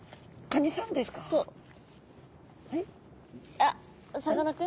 あさかなクン？